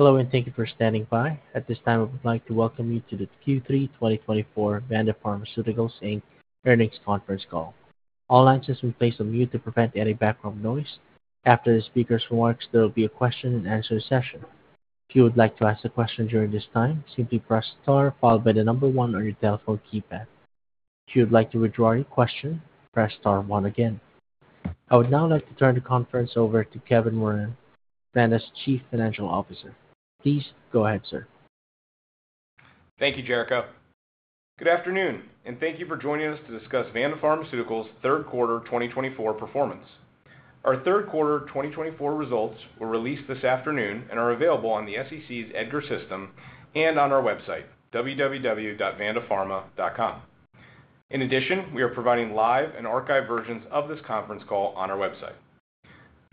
Hello and thank you for standing by. At this time, I would like to welcome you to the Q3 2024 Vanda Pharmaceuticals Inc. Earnings conference call. All lines have been placed on mute to prevent any background noise. After the speaker's remarks, there will be a question and answer session. If you would like to ask a question during this time, simply press star followed by the number one on your telephone keypad. If you would like to withdraw your question, press star one again. I would now like to turn the conference over to Kevin Moran, Vanda's Chief Financial Officer. Please go ahead, sir. Thank you. Jericho. Good afternoon, and thank you for joining us to discuss Vanda Pharmaceuticals third quarter 2024 performance. Our third quarter 2024 results were released this afternoon and are available on the SEC's EDGAR system and on our website, www.vandapharma.com. In addition, we are providing live and archived versions of this conference call on our website.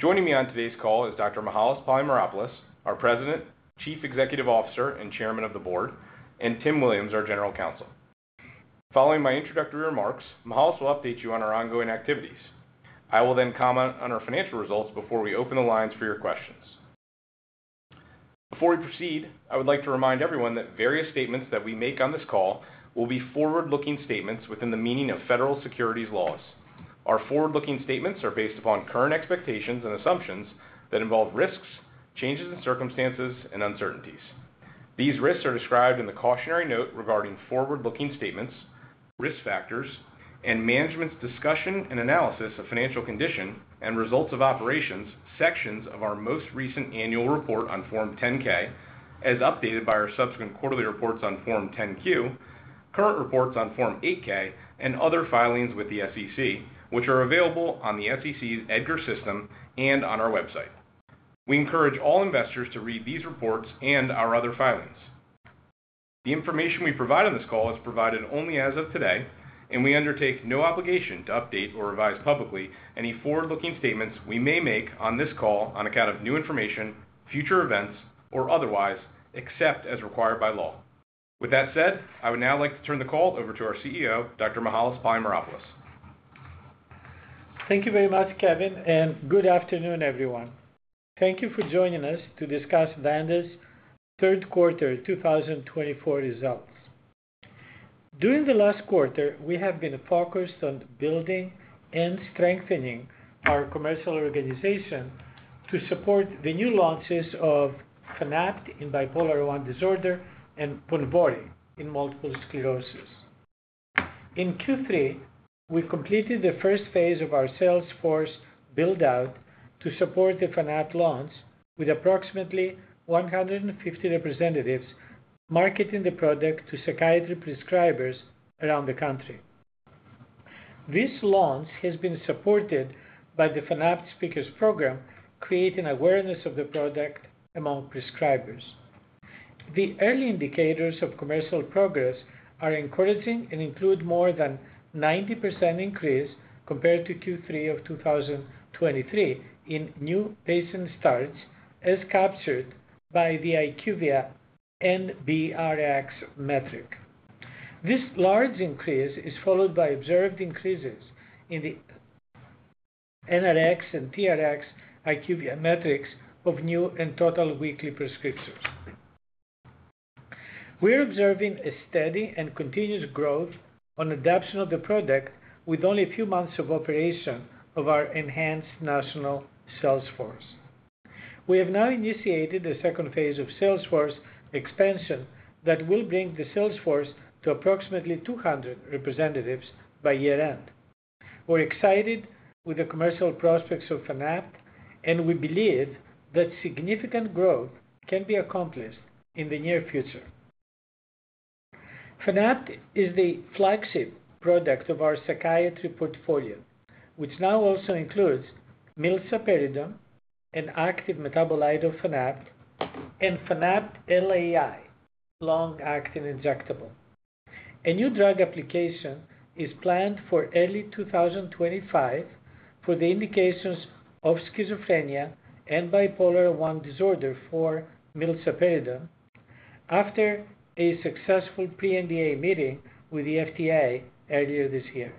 Joining me on today's call is Dr. Mihael H. Polymeropoulos, our President, Chief Executive Officer and Chairman of the Board, and Tim Williams, our General Counsel. Following my introductory remarks, Mihalis will update you on our ongoing activities. I will then comment on our financial results before we open the lines for your questions. Before we proceed, I would like to remind everyone that various statements that we make on this call will be forward looking statements within the meaning of federal securities laws. Our forward-looking statements are based upon current expectations and assumptions that involve risks, changes in circumstances and uncertainties. These risks are described in the Cautionary Note Regarding Forward-Looking Statements, Risk Factors and Management's Discussion and Analysis of Financial Condition and Results of Operations sections of our most recent Annual Report on Form 10-K as updated by our subsequent quarterly reports on Form 10-Q, current reports on Form 8-K and other filings with the SEC which are available on the SEC's EDGAR system and on our website. We encourage all investors to read these reports and our other filings. The information we provide on this call is provided only as of today and we undertake no obligation to update or revise publicly any forward-looking statements we may make on this call on account of new information or future events or otherwise, except as required by law. With that said, I would now like to turn the call over to our CEO, Dr. Mihael H. Polymeropoulos. Thank you very much, Kevin, and good afternoon, everyone. Thank you for joining us to discuss Vanda's third quarter 2024 results. During the last quarter, we have been focused on building and strengthening our commercial organization to support the new launches of Fanapt in bipolar I disorder and Ponvory in multiple sclerosis. In Q3, we completed the first phase of our sales force build out to support the Fanapt launch with approximately 150 representatives marketing the product to psychiatry prescribers around the country. This launch has been supported by the Fanapt speakers program creating awareness of the product among prescribers. The early indicators of commercial progress are encouraging and include more than 90% increase compared to Q3 of 2023 in new patient starts as captured by the IQVIA NBRX metric. This large increase is followed by observed increases in the NRX and TRX IQVIA metrics of new and total weekly prescriptions. We are observing a steady and continuous growth in adoption of the product with only a few months of operation of our enhanced national sales force. We have now initiated the second phase of sales force expansion that will bring the sales force to approximately 200 representatives by year-end. We're excited with the commercial prospects of Fanapt and we believe that significant growth can be accomplished in the near future. Fanapt is the flagship product of our psychiatry portfolio which now also includes milsaperidone, an active metabolite of Fanapt, and Fanapt LAI, long-acting injectable. A new drug application is planned for early 2025 for the indications of schizophrenia and bipolar I disorder for milsaperidone after a successful Pre-NDA meeting with the FDA earlier this year.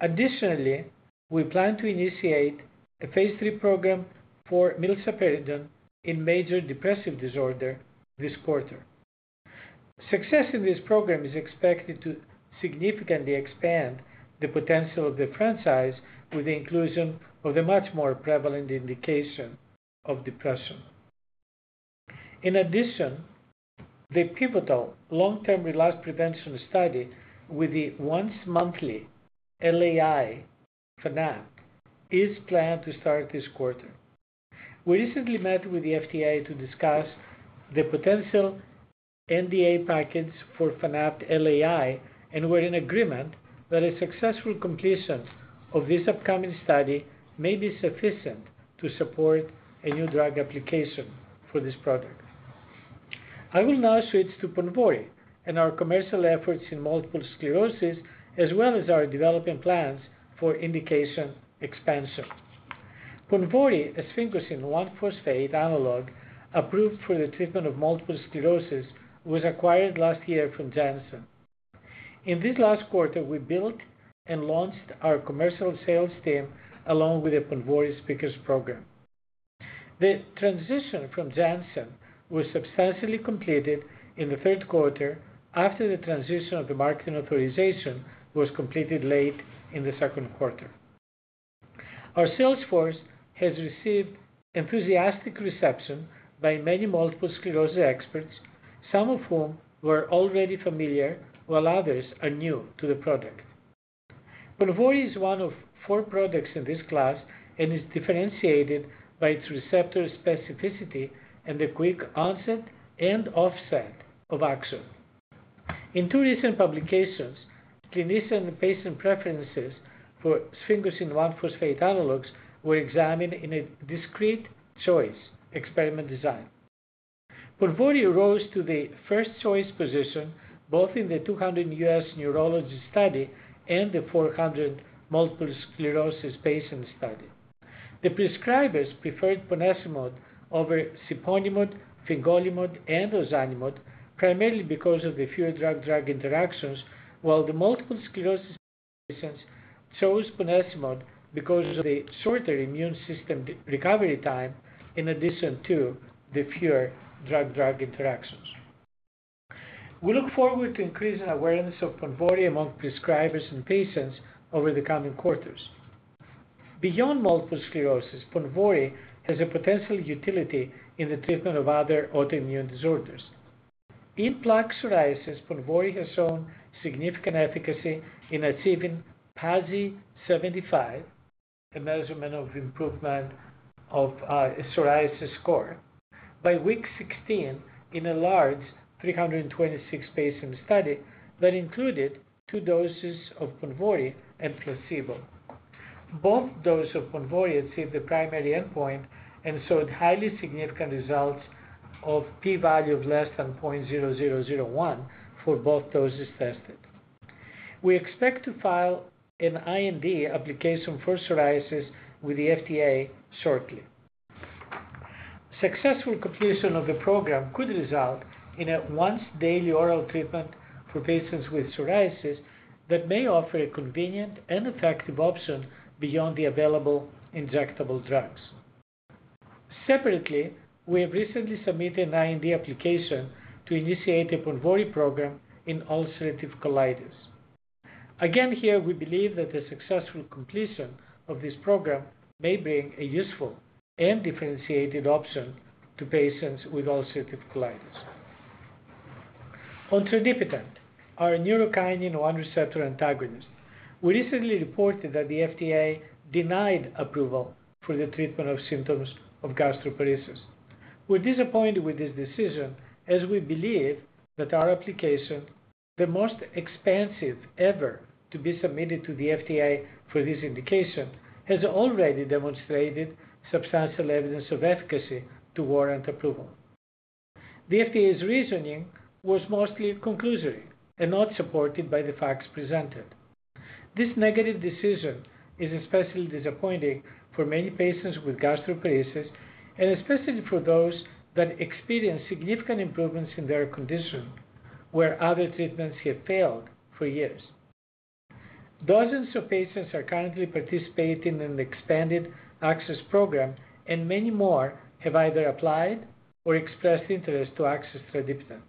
Additionally, we plan to initiate a phase III program for milsaperidone in major depressive disorder this quarter. Success in this program is expected to significantly expand the potential of the franchise with the inclusion of the much more prevalent indication of depression. In addition, the pivotal long term relapse prevention study with the once monthly LAI Fanapt is planned to start this quarter. We recently met with the FDA to discuss the potential NDA package for Fanapt LAI and we're in agreement that a successful completion of this upcoming study may be sufficient to support a new drug application for this product. I will now switch to Ponvory and our commercial efforts in multiple sclerosis as well as our developing plans for indication expansion. Ponvory sphingosine 1 phosphate analog approved for the treatment of multiple sclerosis was acquired last year from Janssen. In this last quarter we built and launched our commercial sales team along with the Ponvory speakers program. The transition from Janssen was substantially completed in the third quarter. After the transition of the marketing authorization was completed late in the second quarter. Our sales force has received enthusiastic reception by many multiple sclerosis experts, some of whom were already familiar while others are new to the product. Ponvory is one of four products in this class and is differentiated by its receptor specificity and the quick onset and offset of action. In two recent publications, clinician patient preferences for sphingosine 1-phosphate analogs were examined in a discrete choice experiment design. Ponvory rose to the first choice position both in the 200 U.S. neurology study and the 400 multiple sclerosis patients study. The prescribers preferred ponesimod over siponimod, fingolimod and ozanimod primarily because of the fewer drug-drug interactions while patients with multiple sclerosis chose ponesimod because of the shorter immune system recovery time in addition to the fewer drug-drug interactions. We look forward to increasing awareness of Ponvory among prescribers and patients over the coming quarters. Beyond multiple sclerosis, Ponvory has a potential utility in the treatment of other autoimmune disorders. In plaque psoriasis, Ponvory has shown significant efficacy in achieving PASI 75, a measurement of improvement of psoriasis score by week 16 in a large 326-patient study that included two doses of Ponvory and placebo. Both doses of Ponvory achieved the primary endpoint and showed highly significant results of p-value of less than 0.0001 for both doses tested. We expect to file an IND application for psoriasis with the FDA shortly. Successful completion of the program could result in a once daily oral treatment for patients with psoriasis that may offer a convenient and effective option beyond the available injectable drugs. Separately, we have recently submitted an IND application to initiate a Ponvory program in ulcerative colitis. Again, here we believe that the successful completion of this program may bring a useful and differentiated option to patients with ulcerative colitis on tradipitant, our neurokinin-1 receptor antagonist. We recently reported that the FDA denied approval for the treatment of symptoms of gastroparesis. We were disappointed with this decision as we believe that our application, the most expensive ever to be submitted to the FDA for this indication, has already demonstrated substantial evidence of efficacy to warrant approval. The FDA's reasoning was mostly conclusory and not supported by the facts presented. This negative decision is especially disappointing for many patients with gastroparesis and especially for those that experienced significant improvements in their condition where other treatments have failed for years. Dozens of patients are currently participating in the expanded Access program and many more have either applied or expressed interest to access tradipitant.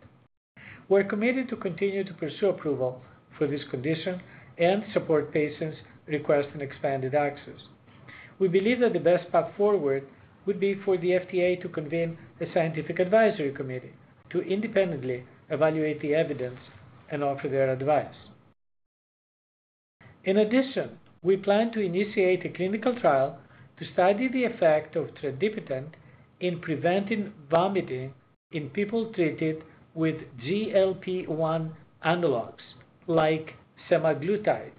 We're committed to continue to pursue approval for this condition and support patients requesting expanded access. We believe that the best path forward is would be for the FDA to convene a scientific advisory committee to independently evaluate the evidence and offer their advice. In addition, we plan to initiate a clinical trial to study the effect of tradipitant in preventing vomiting in people treated with GLP-1 analogs like semaglutide.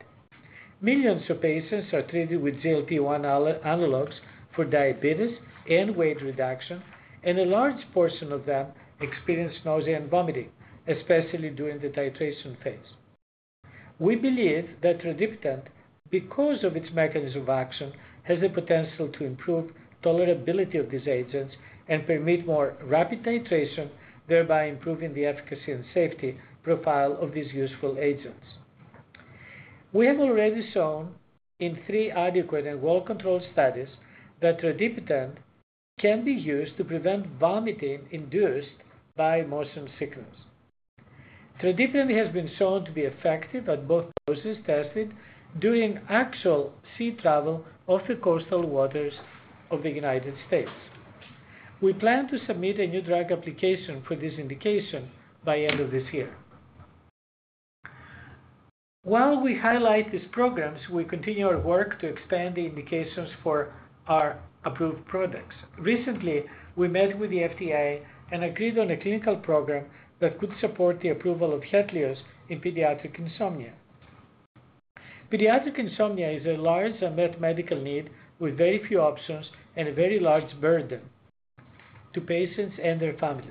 Millions of patients are treated with GLP-1 analogs for diabetes and weight reduction and a large portion of them experience nausea and vomiting, especially during the titration phase. We believe that tradipitant, because of its mechanism of action, has the potential to improve tolerability of these agents and permit more rapid titration, thereby improving the efficacy and safety profile of these useful agents. We have already shown in three adequate and well controlled studies that tradipitant can be used to prevent vomiting induced by motion sickness. Tradipitant has been shown to be effective at both doses tested during actual sea travel of the coastal waters of the United States. We plan to submit a new drug application for this indication by end of this year. While we highlight these programs, we continue our work to expand the indications for our approved products. Recently we met with the FDA and agreed on a clinical program that could support the approval of HETLIOZ in pediatric insomnia. Pediatric insomnia is a large and unmet medical need with very few options and a very large burden to patients and their families.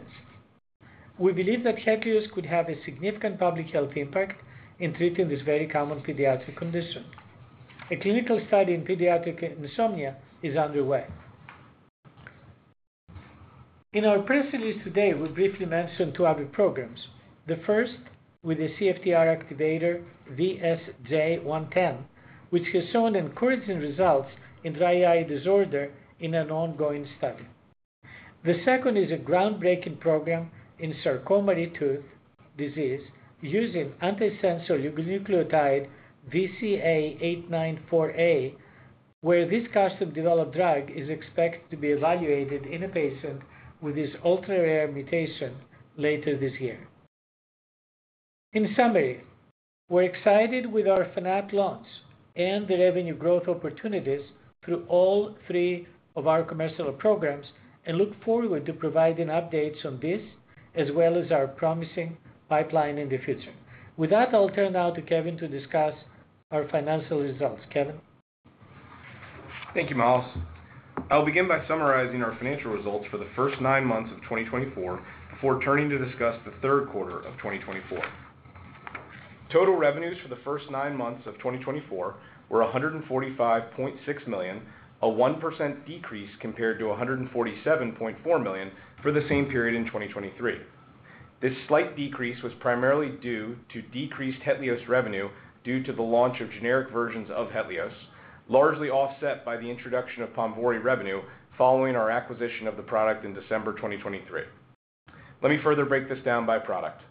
We believe that HETLIOZ could have a significant public health impact in treating this very common pediatric condition. A clinical study in pediatric insomnia is underway. In our press release today we briefly mentioned two other programs, the first with the CFTR activator VSJ-110 which has shown encouraging results in dry eye disorder in an ongoing study. The second is a groundbreaking program in Charcot-Marie-Tooth disease using antisense oligonucleotide VCA-894A where this Vanda-developed drug is expected to be evaluated in a patient with this ultra-rare mutation later this year. In summary, we're excited with our Fanapt launch and the revenue growth opportunities through all three of our commercial programs and look forward to providing updates on this as well as our promising pipeline in the future. With that, I'll turn now to Kevin to discuss our financial results. Thank you, Mihalis. I'll begin by summarizing our financial results for the first nine months of 2024 before turning to discuss the third quarter of 2024. Total revenues for the first nine months of 2024 were $145.6 million, a 1% decrease compared to $147.4 million for the same period in 2023. This slight decrease was primarily due to decreased HETLIOZ revenue due to the launch of generic versions of HETLIOZ, largely offset by the introduction of Ponvory revenue following our acquisition of the product in December 2023. Let me further break this down by product.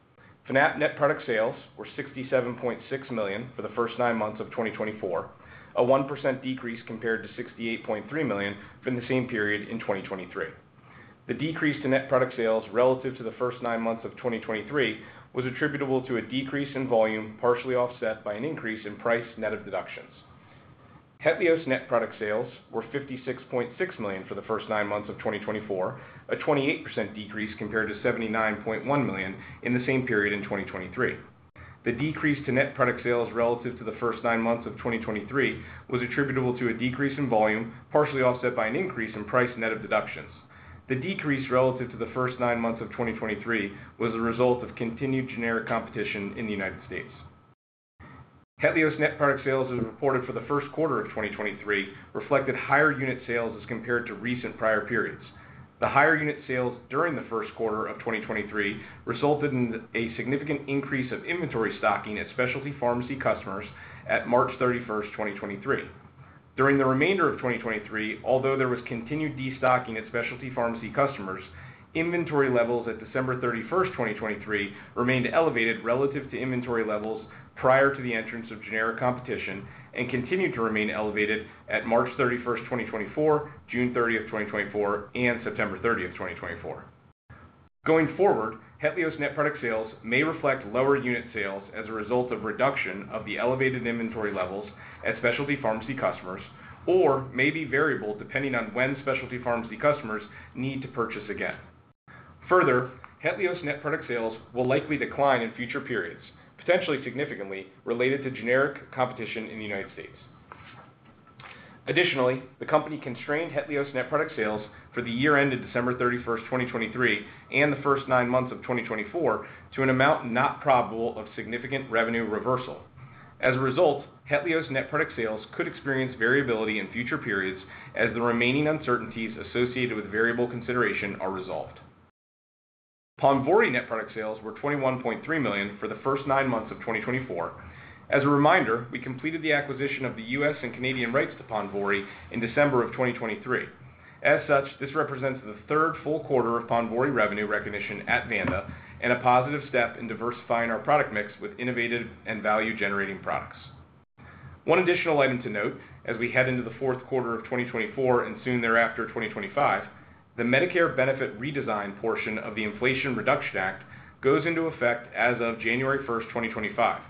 Fanapt net product sales were $67.6 million for the first nine months of 2024, a 1% decrease compared to $68.3 million from the same period in 2023. The decrease to net product sales relative to the first nine months of 2023 was attributable to a decrease in volume partially offset by an increase in price net of deductions. Hetlioz net product sales were $56.6 million for the first nine months of 2024, a 28% decrease compared to $79.1 million in the same period in 2023. The decrease to net product sales relative to the first nine months of 2023 was attributable to a decrease in volume partially offset by an increase in price net of deductions. The decrease relative to the first nine months of 2023 was the result of continued generic competition in the United States. Hetlioz's net product sales as reported for the first quarter of 2023 reflected higher unit sales as comp periods. The higher unit sales during the first quarter of 2023 resulted in a significant increase of inventory stocking at specialty pharmacy customers at March 31, 2023 during the remainder of 2023. Although there was continued destocking at specialty pharmacy customers, inventory levels at December 31, 2023 remained elevated relative to inventory levels prior to the entrance of generic competition and continue to remain elevated at March 31, 2024, June 30, 2024 and September 30, 2024. Going forward, HETLIOZ's net product sales may reflect lower unit sales as a result of reduction of the elevated inventory levels at specialty pharmacy customers or may be variable depending on when specialty pharmacy customers need to purchase again. Further, HETLIOZ's net product sales will likely decline in future periods potentially significantly related to generic competition in the United States. Additionally, the company constrained HETLIOZ's net product sales for the year ended December 31, 2023 and the first nine months of 2024 to an amount not probable of significant revenue reversal. As a result, HETLIOZ 's net product sales could experience variability in future periods as the remaining uncertainties associated with variable consideration are resolved. Ponvory net product sales were $21.3 million for the first nine months of 2024 and as a reminder, we completed the acquisition of the U.S. and Canadian rights to Ponvory in December of 2023. As such, this represents the third full quarter of Ponvory revenue recognition at Vanda and a positive step in diversifying our product mix with innovative and value generating products. One additional item to note as we head into the fourth quarter of 2024 and soon thereafter 2025, the Medicare benefit redesign portion of the Inflation Reduction Act goes into effect. As of January 1, 2025,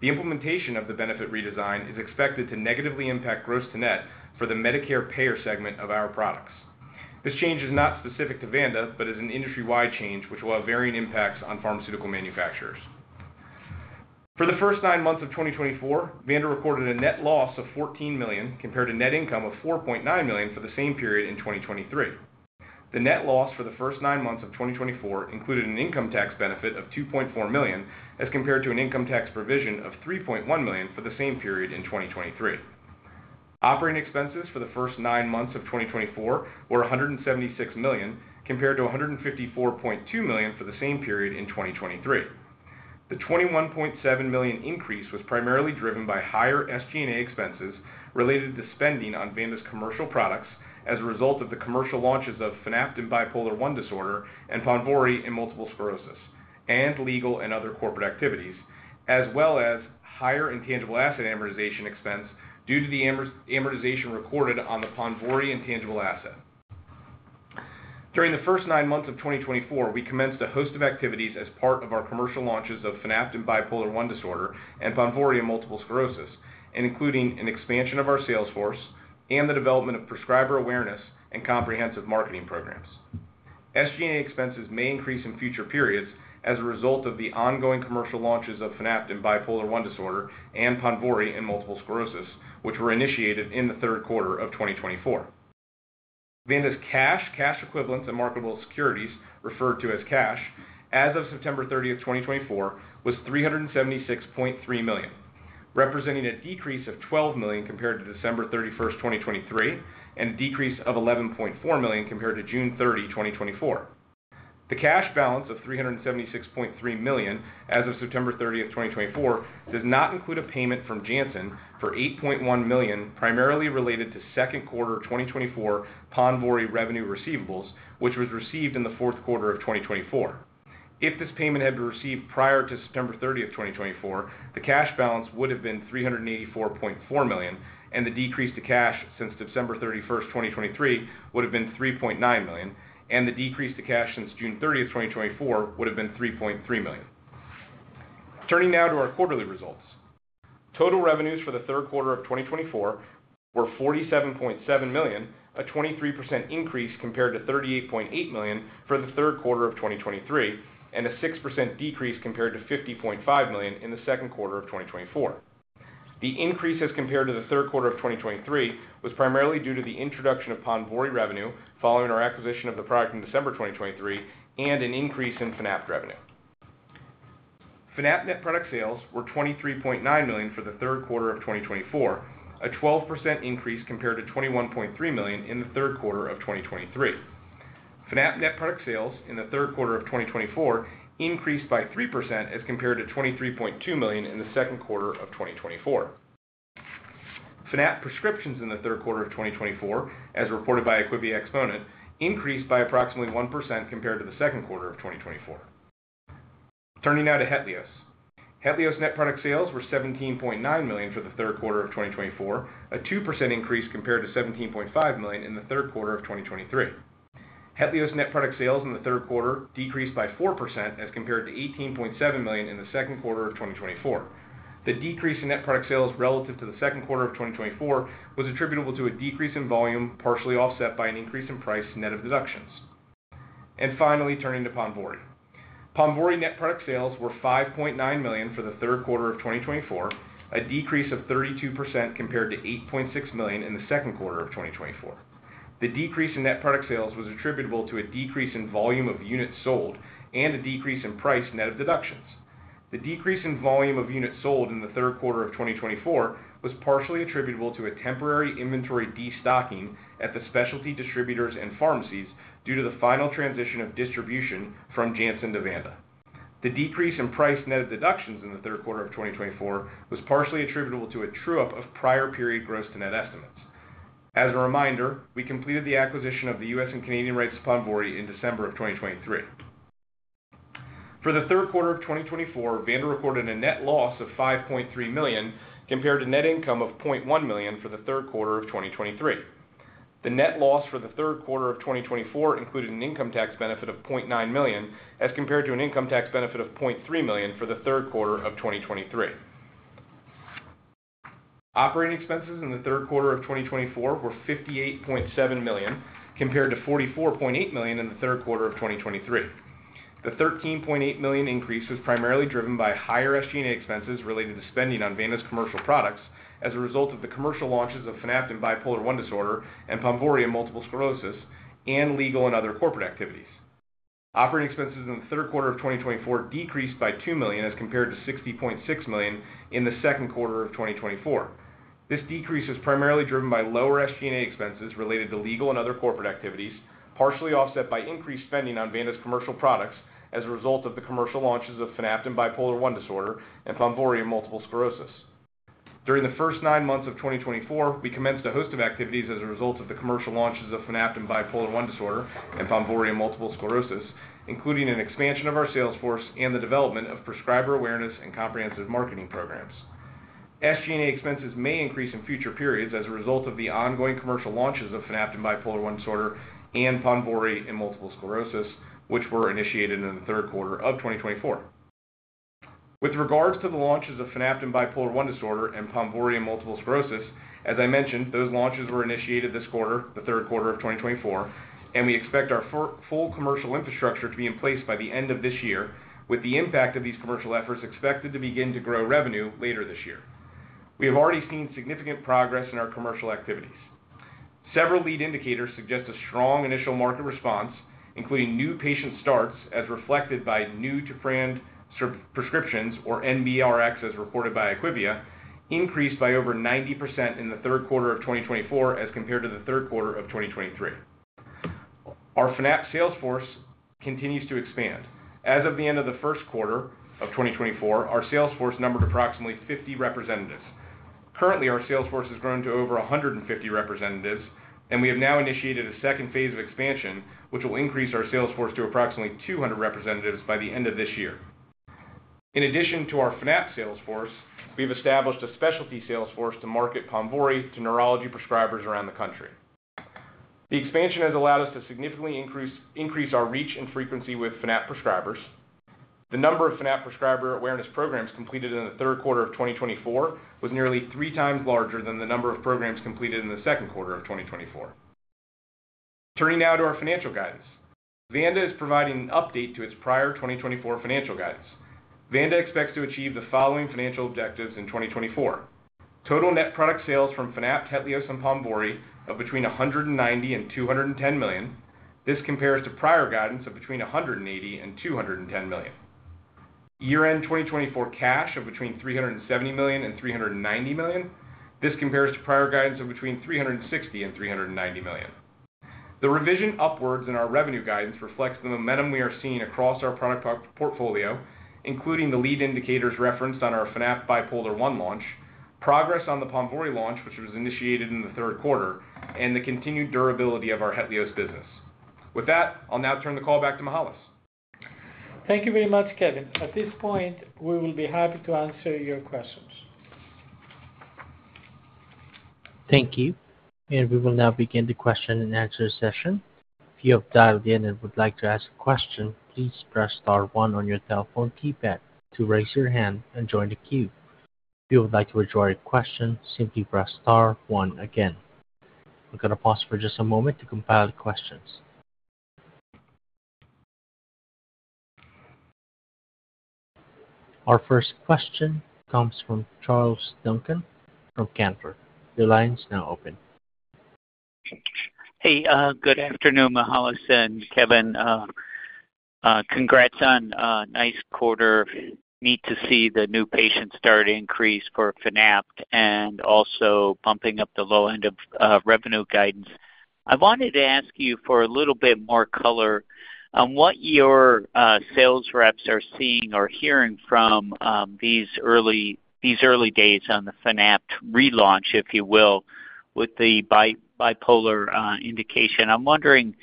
the implementation of the benefit redesign is expected to negatively impact gross to net for the Medicare payer segment of our products. This change is not specific to Vanda but is an industry-wide change which will have varying impacts on pharmaceutical manufacturers. For the first nine months of 2024, Vanda recorded a net loss of $14 million compared to net income of $4.9 million for the same period in 2020. The net loss for the first nine months of 2024 included an income tax benefit of $2.4 million as compared to an income tax provision of $3.1 million for the same period in 2023. Operating expenses for the first nine months of 2024 were $176 million compared to $154.2 million for the same period in 2023. The $21.7 million increase was primarily driven by higher SG&A expenses related to spending on Vanda's commercial products as a result of the commercial launches of Fanapt in bipolar I disorder and Ponvory in multiple sclerosis and legal and other corporate activities as well as higher intangible asset amortization expense. Due to the amortization recorded on the Ponvory intangible asset during the first nine months of 2024, we commenced a host of activities as part of our commercial launches of Fanapt in bipolar I disorder and Ponvory in multiple sclerosis, including an expansion of our sales force and the development of prescriber awareness and comprehensive marketing programs. SG&A expenses may increase in future periods as a result of the ongoing commercial launches of Fanapt in bipolar I disorder and Ponvory in multiple sclerosis, which were initiated in the third quarter of 2024. Vanda's cash equivalents and marketable securities, referred to as cash, as of September 30, 2024, was $376.3 million, representing a decrease of $12 million compared to December 31, 2023, and a decrease of $11.4 million compared to June 30, 2024. The cash balance of $376.3 million as of September 30, 2024, does not include a payment from Janssen for $8.1 million primarily related to second quarter 2024 Ponvory revenue, which was received in the fourth quarter of 2024. If this payment had been received prior to September 30, 2024, the cash balance would have been $384.4 million, and the decrease to cash since December 31, 2023, would have been $3.9 million, and the decrease to cash since June 30, 2024, would have been $3.3 million. Turning now to our quarterly results, total revenues for the third quarter of 2024 were $47.7 million, a 23% increase compared to $38.8 million for the third quarter of 2023 and a 6% decrease compared to $50.5 million in the second quarter of 2024. The increase as compared to the third quarter of 2023 was primarily due to the introduction of Ponvory revenue following our acquisition of the product in December 2023 and an increase in Fanapt revenue. Fanapt net product sales were $23.9 million for the third quarter of 2024, a 12% increase compared to $21.3 million in the third quarter of 2023. Fanapt net product sales in the third quarter of 2024 increased by 3% as compared to $23.2 million in the second quarter of 2024. Fanapt prescriptions in the third quarter of 2024, as reported by IQVIA, increased by approximately 1% compared to the second quarter of 2024. Turning now to HETLIOZ. HETLIOZ net product sales were $17.9 million for the third quarter of 2024, a 2% increase compared to $17.5 million in the third quarter of 2023. HETLIOZ net product sales in the third quarter decreased by 4% as compared to $18.7 million in the second quarter of 2024. The decrease in net product sales relative to the second quarter of 2024 was attributable to a decrease in volume partially offset by an increase in price net of deductions and finally turning to Ponvory. Ponvory net product sales were $5.9 million for the third quarter of 2024, a decrease of 32% compared to $8.6 million in the second quarter of 2024. The decrease in net product sales was attributable to a decrease in volume of units sold and a decrease in price net of deductions. The decrease in volume of units sold in the third quarter of 2024 was partially attributable to a temporary inventory destocking at the specialty distributors and pharmacies due to the final transition of distribution from Janssen to Vanda. The decrease in price net of deductions in the third quarter of 2024 was partially attributable to a true up of prior period gross to net estimates. As a reminder, we completed the acquisition of the U.S. and Canadian rights of Ponvory in December of 2023. For the third quarter of 2024, Vanda recorded a net loss of $5.3 million compared to net income of $0.1 million for the third quarter of 2023. The net loss for the third quarter of 2024 included an income tax benefit of $0.9 million as compared to an income tax benefit of $0.3 million for the third quarter of 2023. Operating expenses in the third quarter of 2024 were $58.7 million compared to $44.8 million in the third quarter of 2023. The $13.8 million increase was primarily driven by higher SG&A expenses related to spending on Vanda's commercial products as a result of the commercial launches of Fanapt, bipolar I disorder and Ponvory in multiple sclerosis and legal and other corporate activities. Operating expenses in the third quarter of 2024 decreased by $2 million as compared to $60.6 million in the second quarter of 2024. This decrease is primarily driven by lower SG&A expenses related to legal and other corporate activities, partially offset by increased spending on Vanda's commercial products. As a result of the commercial launches of Fanapt, bipolar I disorder and Ponvory multiple sclerosis during the first nine months of 2024. We commenced a host of activities as a result of the commercial launches of Fanapt, bipolar I disorder and Ponvory multiple sclerosis, including an expansion of our sales force and the development of prescriber awareness and comprehensive marketing programs. SGA expenses may increase in future periods as a result of the ongoing commercial launches of Fanapt bipolar I disorder and Ponvory in multiple sclerosis which were initiated in the third quarter of 2024 with regards to the launches of Fanapt bipolar I disorder and Ponvory multiple sclerosis. As I mentioned, those launches were initiated this quarter the third quarter of 2024 and we expect our full commercial infrastructure to be in place by the end of this year. With the impact of these commercial efforts expected to begin to grow revenue later this year, we have already seen significant progress in our commercial activities. Several lead indicators suggest a strong initial market response, including new patient starts as reflected by new brand prescriptions or NBRX as reported by IQVIA, increased by over 90% in the third quarter of 2024 as compared to the third quarter of 2023. Our Fanapt sales force continues to expand. As of the end of the first quarter of 2024, our sales force numbered approximately 50 representatives. Currently our sales force has grown to over 150 representatives and we have now initiated a phase II of expansion which will increase our sales force to approximately 200 representatives by the end of this year. In addition to our Fanapt sales force, we've established a specialty sales force to market Ponvory to neurology prescribers around the country. The expansion has allowed us to significantly increase our reach and frequency with Fanapt prescribers. The number of Fanapt prescriber awareness programs completed in the third quarter of 2024 was nearly three times larger than the number of programs completed in the second quarter of 2024. Turning now to our financial guidance, Vanda is providing an update to its prior 2024 financial guidance. Vanda expects to achieve the following financial objectives in 2024: total net product sales from Fanapt, HETLIOZ and Ponvory of between $190 million and $210 million. This compares to prior guidance of between $180 million and $210 million. Year-end 2024 cash of between $370 million and $390 million. This compares to prior guidance of between $360 million and $390 million. The revision upwards in our revenue guidance reflects the momentum we are seeing across our product portfolio including the lead indicators referenced on our Fanapt bipolar I launch, progress on the Ponvory launch which was initiated in the third quarter and the continued durability of our HETLIOZ business. With that, I'll now turn the call back to Mihael. Thank you very much Kevin. At this point we will be happy to answer your questions. Thank you and we will now begin the question and answer session. If you have dialed in and would like to ask a question, please press star 1 on your telephone keypad to raise your hand and join the queue. If you would like to withdraw a question, simply press star one again. I'm going to pause for just a moment to compile the questions. Our first question comes from Charles Duncan from Canaccord. Your line is now open. Hey, good afternoon, Mihael and Kevin. Congrats on nice quarter. Nice to see the new patient start increase for Fanapt and also bumping up the low end of revenue guidance. I wanted to ask you for a little bit more color on what your sales reps are seeing or hearing from these early days on the Fanapt relaunch, if you will, with the bipolar indication. I'm wondering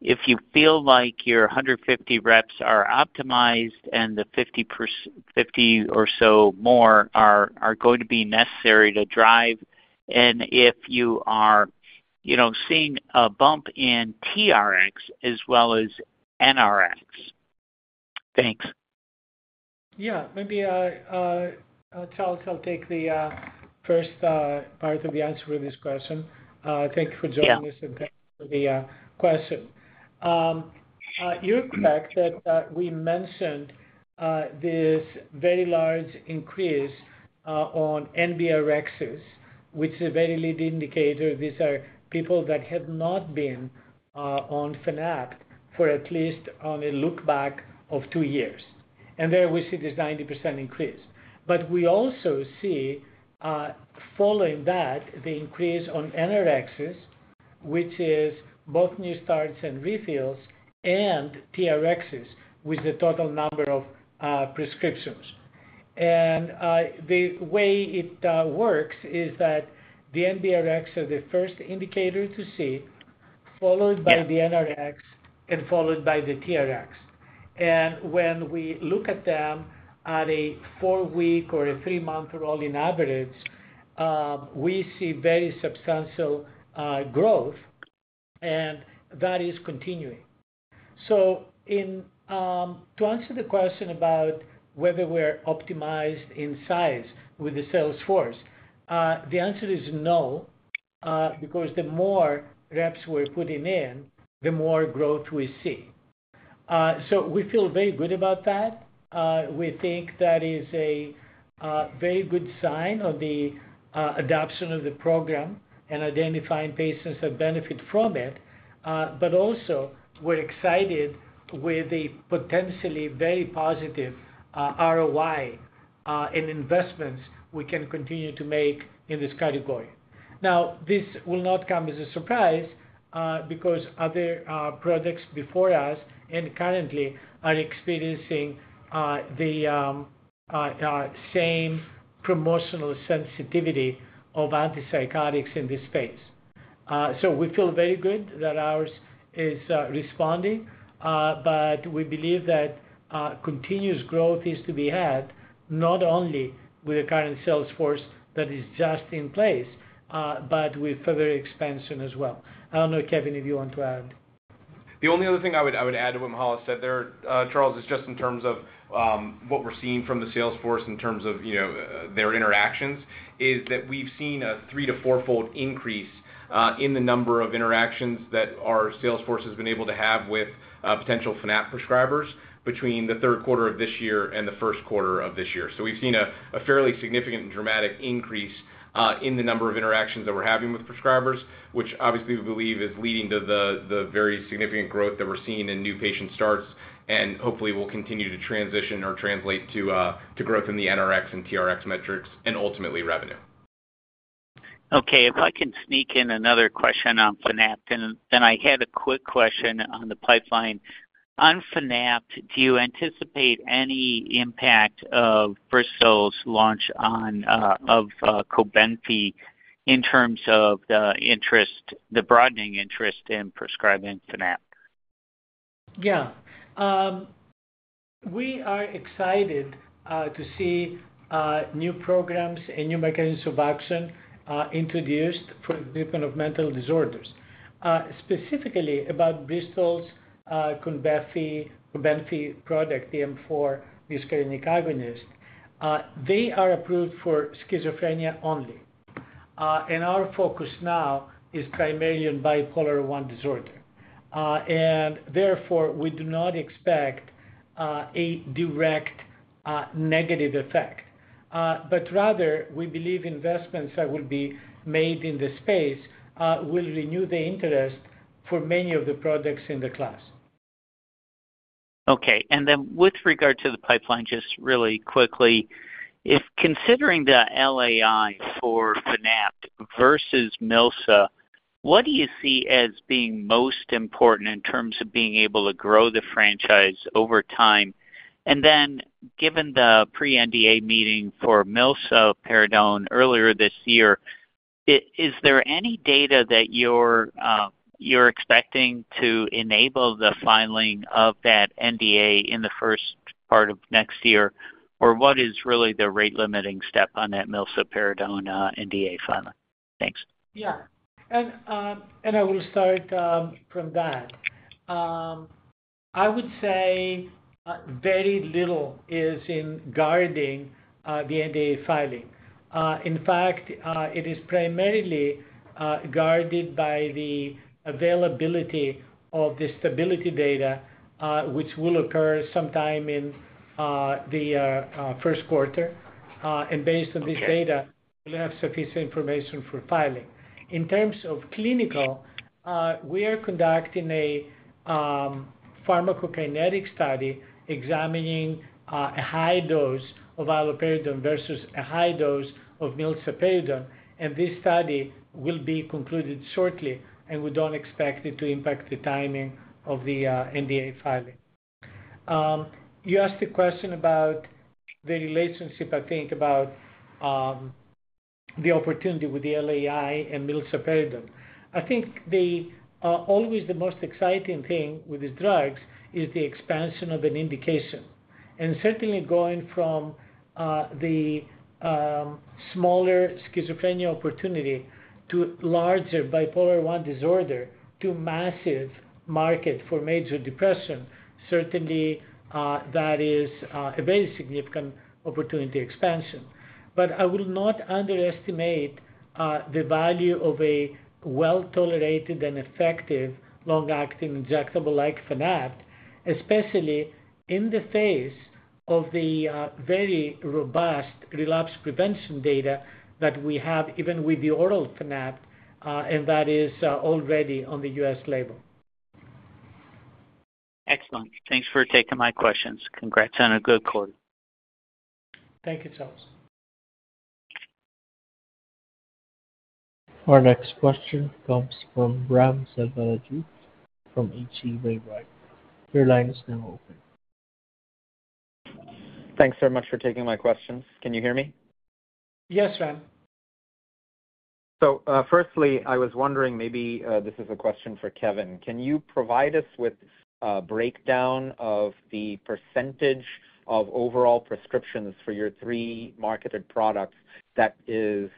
if you feel like your 150 reps are optimized and the 50 or so more are going to be necessary to drive and if you are, you know, seeing a bump in TRX as well as NRX. Thanks. Yeah, maybe. Charles, I'll take the first part of the answer to this question. Thank you for joining us and thank you for the question. You're correct that we mentioned this very large increase on NBRXs, which is a very lead indicator. These are people that have not been on Fanapt for at least on a look back of two years. And there we see this 90% increase. But we also see following that the increase on NRXs, which is both new starts and refills and TRXs with the total number of prescriptions. And the way it works is that the NBRX are the first indicator to see followed by the NRX and followed by the TRX. And when we look at them at a four week or a three month rolling average, we see very substantial growth and that is continuing. To answer the question about whether we're optimized in size with the sales force, the answer is no, because the more reps we're putting in, the more growth we see. We feel very good about that. We think that is a very good sign of the adoption of the program and identifying patients that benefit from it. But also we're excited with a potentially very positive ROI and investments we can continue to make in this category. Now this will not come as a surprise because other products before us and currently are experiencing the same promotional sensitivity of antipsychotics in this space. We feel very good that ours is responding, but we believe that continuous growth is to be had not only with the current sales force that is just in place but with further expansion as well. I don't know, Kevin, if you want to add. The only other thing I would add to what Mihael said there, Charles, is just in terms of what we're seeing from the sales force in terms of their interactions is that we've seen a three- to fourfold increase in the number of interactions that our sales force has been able to have with potential Fanapt prescribers between the third quarter of this year and the first quarter of this year. So we've seen a fairly significant dramatic increase in the number of interactions that we're having with prescribers, which obviously we believe is leading to the very significant growth that we're seeing in new patient starts and hopefully will continue to transition or translate to growth in the NRX and TRX metrics and ultimately revenue. Okay, if I can sneak in another question on Fanapt and then I had a quick question on the pipeline on Fanapt. Do you anticipate any impact of Bristol's launch of Cobenfy in terms of the interest, the broadening interest in prescribing Fanapt? Yeah, we are excited to see new programs and new mechanisms of action introduced for treatment of mental disorders. Specifically about Bristol's product M4 muscarinic agonist. They are approved for schizophrenia only and our focus now is primarily on Bipolar I disorder and therefore we do not expect a direct negative effect, but rather we believe investments that will be made in this space will renew the interest for many of the products in the class. Okay. And then with regard to the pipeline, just really quickly, if considering the LAI for Fanapt versus milsaperidone, what do you see as being most important in terms of being able to grow the franchise over time? And then given the Pre-NDA meeting for milsaperidone earlier this year, is there any data that you're expecting to enable the filing of that NDA in the first part of next year or what is really the rate limiting step on that milsaperidone NDA filing? Thanks. Yeah. I will start from that. I would say very little is impeding the NDA filing. In fact, it is primarily guarded by the availability of the stability data which will occur sometime in the first quarter. Based on this data, we have sufficient information for filing. In terms of clinical, we are conducting a pharmacokinetic study examining a high dose of iloperidone versus a high dose of milsaperidone. This study will be concluded shortly. We don't expect it to impact the timing of the NDA filing. You asked a question about the relationship, I think about the opportunity with the LAI and milsaperidone. I think always the most exciting thing with these drugs is the expansion of an indication and certainly going from the smaller schizophrenia opportunity to larger bipolar I disorder to massive market for major depression, certainly that is a very significant opportunity expansion. But I will not underestimate the value of a well tolerated and effective long acting injectable like Fanapt, especially in the face of the very robust relapse prevention data that we have even with the oral Fanapt and that is already on the U.S. label. Excellent. Thanks for taking my questions. Congrats on a good quarter. Thank you, Charles. Our next question comes from Ram Selvaraju from H.C. Wainwright. Your line is now open. Thanks very much for taking my questions. Can you hear me? Yes, Ram, So firstly I was wondering maybe this is a question for Kevin. Can you provide us with a breakdown of the percentage of overall prescriptions for your three marketed products that is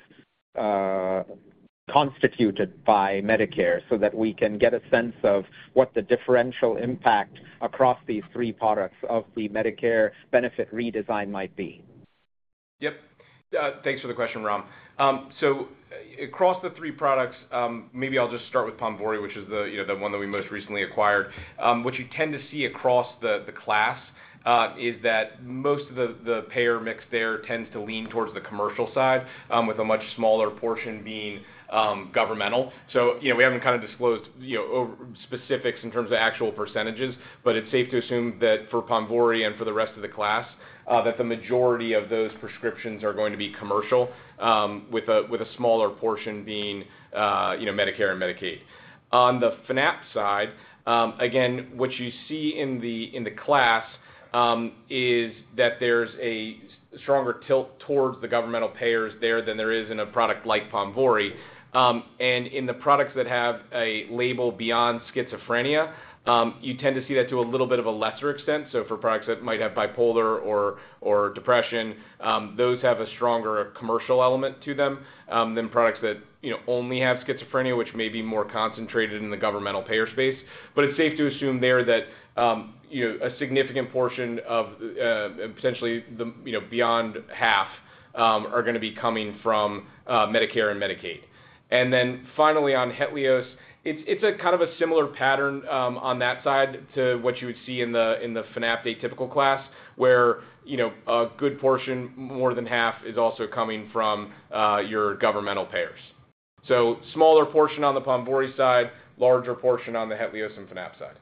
constituted by Medicare so that we can get a sense of what the differential impact across these three products of the Medicare benefit redesign might be? Yep. Thanks for the question, Ram. So across the three products, maybe I'll just start with Ponvory, which is the, you know, the one that we most recently acquired. What you tend to see across the class is that most of the payer mix there tends to lean towards the commercial side with a much smaller portion being governmental. So, you know, we haven't kind of disclosed, you know, specifics in terms of actual percentages, but it's safe to assume that for Ponvory and for the rest of the class that the majority of those prescriptions are going to be commercial with a smaller portion being, you know, Medicare and Medicaid. On the Fanapt side, again, what you see in the class is that there's a stronger tilt towards the governmental payers there than there is in a product like Ponvory. And in the products that have a label beyond schizophrenia, you tend to see that to a little bit of a lesser extent. So for products that might have bipolar or depression, those have a stronger commercial element to them than products that only have schizophrenia, which may be more concentrated in the governmental payer space. But it's safe to assume there that a significant portion of potentially beyond half are going to be coming from Medicare and Medicaid. And then finally on HETLIOZ, it's kind of a similar pattern on that side to what you would see in the Fanapt atypical class, where a good portion, more than half, is also coming from your governmental payers. So, smaller portion on the Ponvory side, larger portion on the HETLIOZ and Fanapt side.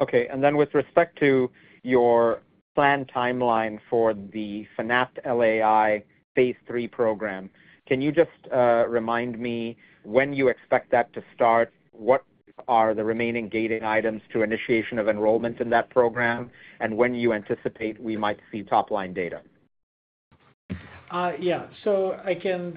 Okay, and then with respect to your planned timeline for the Fanapt LAI phase III program, can you just remind me when you expect that to start? What are the remaining gating items to initiation of enrollment in that program and when you anticipate we might see top line data? Yeah. So I can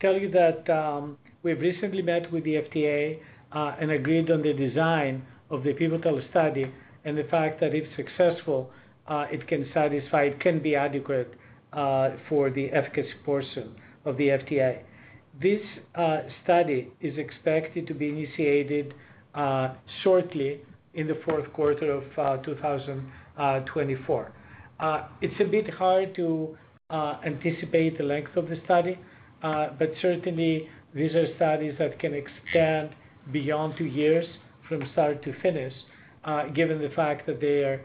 tell you that we've recently met with the FDA and agreed on the design of the pivotal study and the fact that if successful, it can satisfy, it can be adequate for the efficacy portion of the FDA. This study is expected to be initiated shortly in the fourth quarter of 2020. It's a bit hard to anticipate the length of the study, but certainly these are studies that can extend beyond two years from start to finish, given the fact that their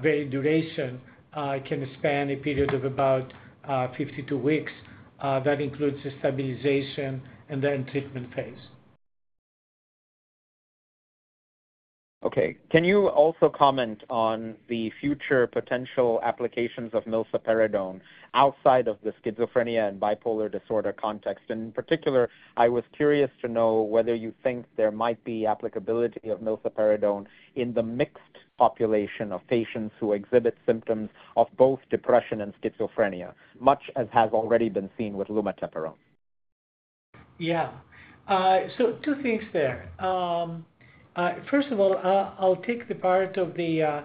very duration can span a period of about 52 weeks. That includes stabilization and then treatment phase. Okay. Can you also comment on the future potential applications of milsaperidone outside of the schizophrenia and bipolar disorder context? In particular, I was curious to know whether you think there might be applicability of milsaperidone in the mixed population of patients who exhibit symptoms of both depression and schizophrenia, much as has already been seen with lumateperone? Yeah. So two things there. First of all, I'll take the part of the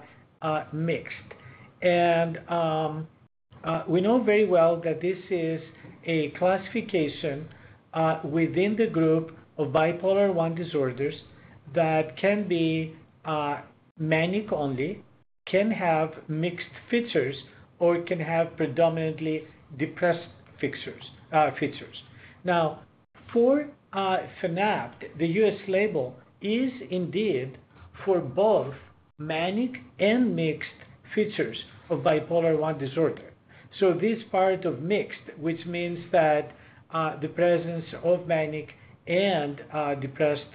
mixed, and we know very well that this is a classification within the group of bipolar I disorders that can be manic only, can have mixed features, or can have predominantly depressed features. Now, for Fanapt, the U.S. Label is indeed for both manic and mixed features of bipolar I disorder. So this part of mixed, which means that the presence of manic and depressed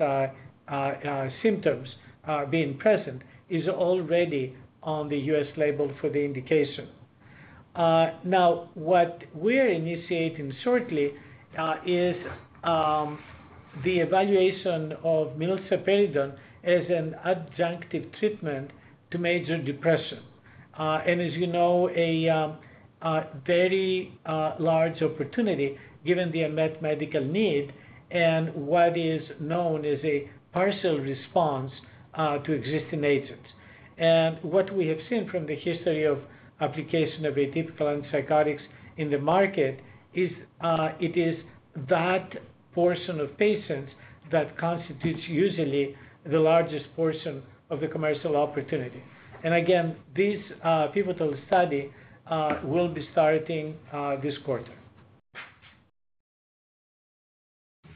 symptoms being present, is already on the U.S. Label for the indication. Now, what we are initiating shortly is the evaluation of milsaperidone as an adjunctive treatment to major depression. And as you know, a very large opportunity given the unmet medical need and what is known as a partial response to existing agents. What we have seen from the history of application of atypical antipsychotics in the market is that portion of patients that constitutes usually the largest portion of the commercial opportunity. Again, this pivotal study will be starting this quarter.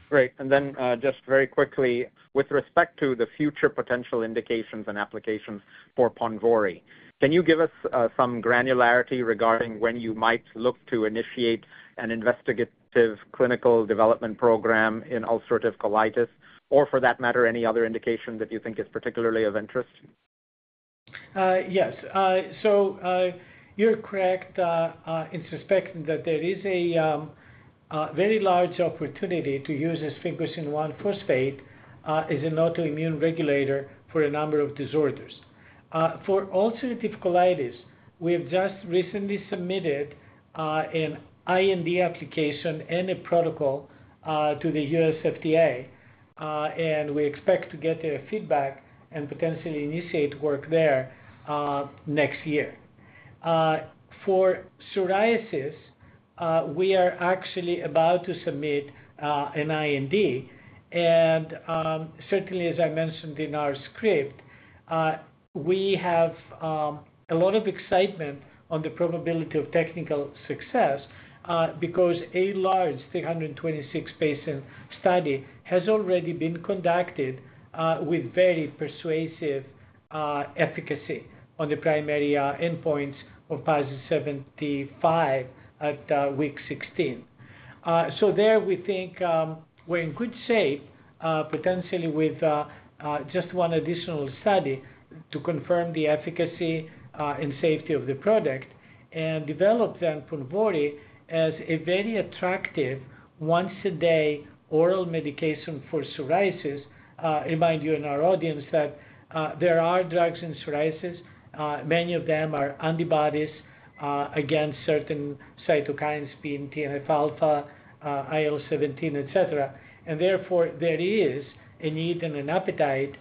Great. And then just very quickly, with respect to the future potential indications and applications for Ponvory, can you give us some granularity regarding when you might look to initiate an investigative clinical development program in ulcerative colitis or for that matter, any other indication that you think is particularly of interest? Yes. So you're correct in suspecting that there is a very large opportunity to use sphingosine 1-phosphate as an autoimmune regulator for a number of disorders for ulcerative colitis. We have just recently submitted an IND application and a protocol to the U.S. FDA and we expect to get their feedback and potentially initiate work there next year for psoriasis. We are actually about to submit an IND and certainly as I mentioned in our script, we have a lot of excitement on the probability of technical success because a large 326 patient study has already been conducted with very persuasive efficacy on the primary endpoints of PASI 75 at week 16. There we think we're in good shape potentially with just one additional study to confirm the efficacy and safety of the product and develop Ponvory as a very attractive once a day oral medication for psoriasis. Remind you and our audience that there are drugs in psoriasis, many of them are antibodies against certain cytokines being TNF alpha, IL17, et cetera. And therefore there is a need and an appetite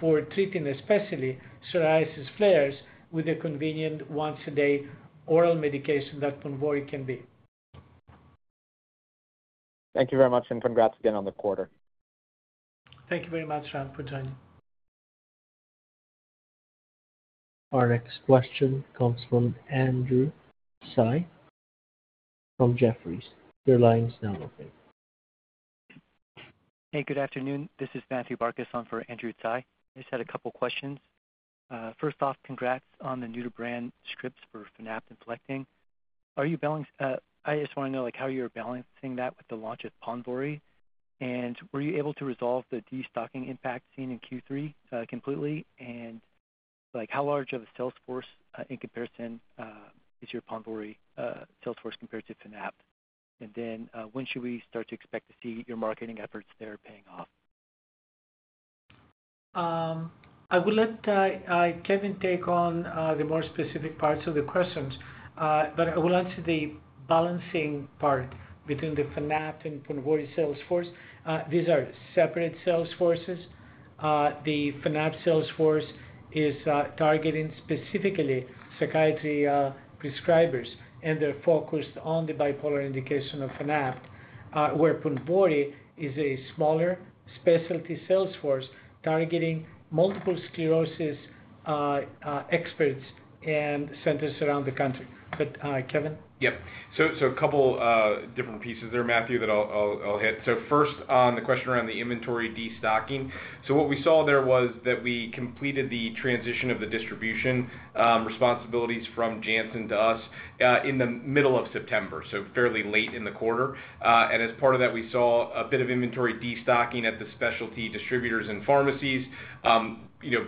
for treating especially psoriasis flares with a convenient once a day oral medication that Ponvory can be. Thank you very much and congrats again on the quarter. Thank you very much, Ram, for joining. Our next question comes from Andrew Tsai from Jefferies. Your line is now open. Hey, good afternoon, this is Matthew Barcus for Andrew Tsai. I just had a couple questions. First off, congrats on the new-to-brand scripts for Fanapt and HETLIOZ. I just want to know like how? You're balancing that with the launch of Ponvory and were you able to resolve the destocking impact seen in Q3 completely? Like how large of a sales? For comparison, is your Ponvory salesforce compared to Fanapt? And then when should we start to. Expect to see your marketing efforts there paying off? I will let Kevin take on the more specific parts of the questions, but I will answer the balancing part between the Fanapt and Ponvory sales force. These are separate sales forces. The Fanapt sales force is targeting specifically psychiatry prescribers and they're focused on the bipolar indication of Fanapt where Ponvory is a smaller specialty sales force targeting multiple sclerosis experts and centers around the country. But Kevin. Yep. So a couple different pieces there, Matthew. That I'll hit. So first on the question around the inventory destocking. So what we saw there was that we completed the transition of the distribution responsibilities from Janssen to us in the middle of September, so fairly late in the quarter. And as part of that we saw a bit of inventory destocking at the specialty distributors and pharmacies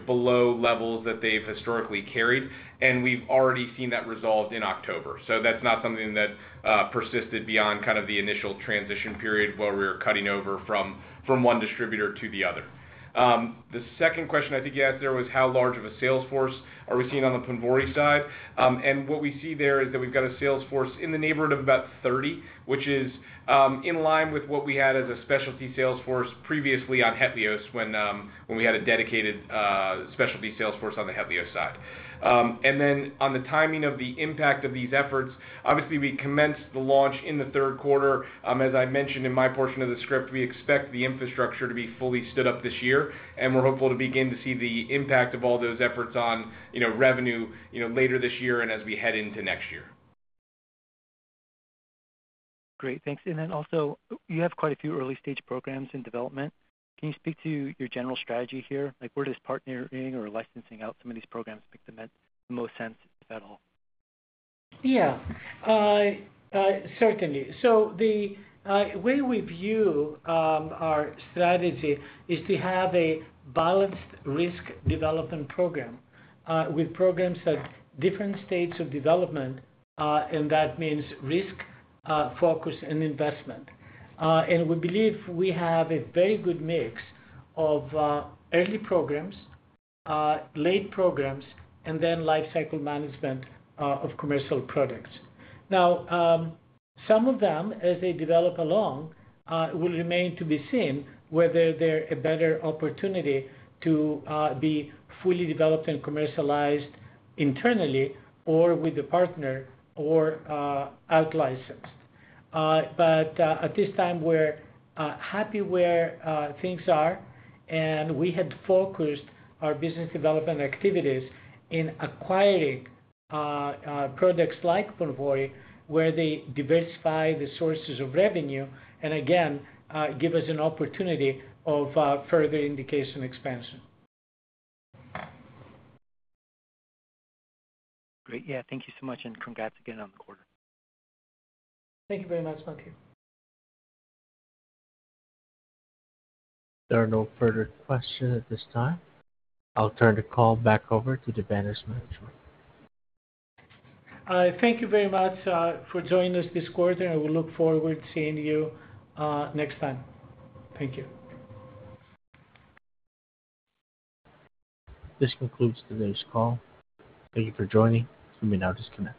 below levels that they've historically carried. And we've already seen that resolved in October. So that's not something that persisted beyond kind of the initial transition period where we were cutting over from one distributor to the other. The second question I think you asked there was how large of a sales force are we seeing on the Ponvory side? And what we see there is that we've got a sales force in the neighborhood of about which is in line with what we had as a specialty sales force previously on HETLIOZ when we had a dedicated specialty sales force on the HETLIOZ side. And then on the timing of the impact of these efforts, obviously we commenced the launch in the third quarter. As I mentioned in my portion of the script, we expect the infrastructure to be fully stood up this year and we're hopeful to begin to see the impact of all those efforts on revenue later this year and as we head into next year. Great, thanks. You have quite a. Few early stage programs in development. Can you speak to your general strategy here? Like where does partnering or licensing out some of these programs make the most. Sense, if at all? Yeah, certainly. So the way we view our strategy is to have a balanced risk development program with programs at different stages of development. And that means risk focus and investment. And we believe we have a very good mix of early programs, late programs and then life cycle management of commercial products. Now some of them as they develop along will remain to be seen whether there is a better opportunity to be fully developed and commercialized internally or with a partner or out licensed. But at this time we're happy where things are. And we had focused our business development activities in acquiring products like Ponvory where they diversify the sources of revenue and again give us an opportunity of further indication expansion. Great. Yeah, thank you so much. Congrats again on the quarter. Thank you very much, Matthew. There are no further questions at this time. I'll turn the call back over to Vanda's management. Thank you very much for joining us this quarter and we look forward to seeing you next time. Thank you. This concludes today's call. Thank you for joining. You may now disconnect.